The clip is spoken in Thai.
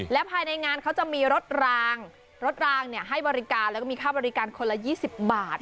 และภายในงานเขาจะมีรถรางรถรางให้บริการแล้วก็มีค่าบริการคนละ๒๐บาท